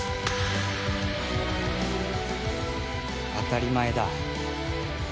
当たり前だ。